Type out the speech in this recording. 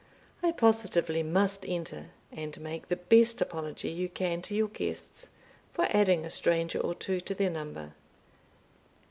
I positively must enter; and make the best apology you can to your guests for adding a stranger or two to their number.